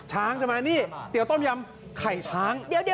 ใช่ไหมนี่เตี๋ยต้มยำไข่ช้าง